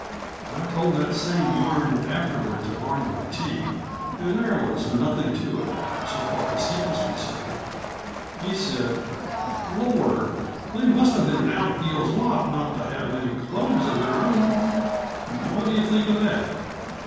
I told that same yarn afterward to Barney MacTague, and there was nothing to it, so far as he was concerned. He said: "Lord! they must have been an out at heels lot not to have any clothes of their own." Now, what do you think of that?